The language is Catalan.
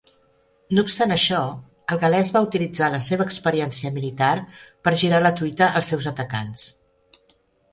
No obstant això, el Gal·lès va utilitzar la seva experiència militar per girar la truita als seus atacants.